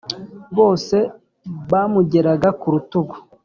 bose bamugeraga ku rutugu